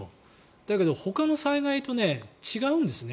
だけどほかの災害と違うんですね。